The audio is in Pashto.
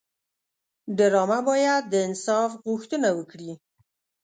ډرامه باید د انصاف غوښتنه وکړي